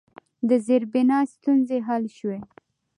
د زیربنا ستونزې حل شوي؟